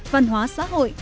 văn hóa xã hội